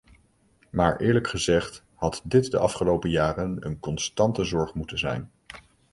Maar eerlijk gezegd had dit de afgelopen jaren een constante zorg moeten zijn.